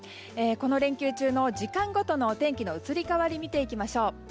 この連休中の時間ごとのお天気の移り変わりを見ていきましょう。